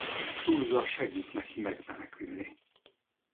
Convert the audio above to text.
Tulsa segít neki megmenekülni.